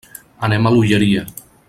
Anem a l'Olleria.